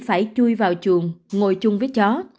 phải chui vào chuồng ngồi chung với chó